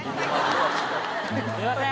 すいません！